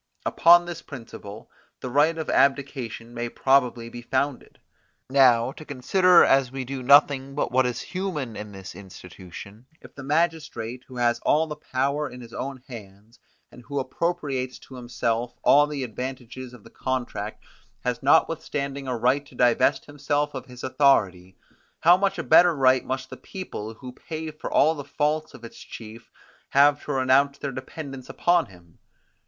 Upon this principle, the right of abdication may probably be founded. Now, to consider as we do nothing but what is human in this institution, if the magistrate, who has all the power in his own hands, and who appropriates to himself all the advantages of the contract, has notwithstanding a right to divest himself of his authority; how much a better right must the people, who pay for all the faults of its chief, have to renounce their dependence upon him.